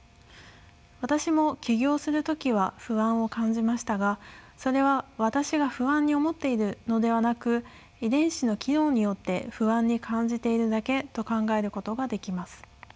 私も起業する時は不安を感じましたがそれは私が不安に思っているのではなく遺伝子の機能によって不安に感じているだけと考えることができます。